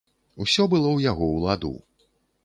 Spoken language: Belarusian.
Усё было ў яго ў ладу.